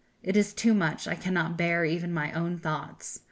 It is too much, I cannot bear even my own thoughts.